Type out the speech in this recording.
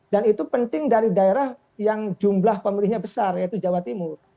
dan itu penting dari daerah yang jumlah pemilihnya besar yaitu jawa timur